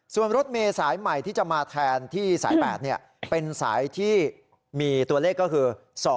ส่วนรถเมย์สายใหม่ที่จะมาแทนที่สาย๘เป็นสายที่มีตัวเลขก็คือ๒๕๖